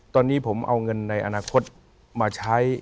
ตอนนี้ผมเอาเงินในอนาคตมาใช้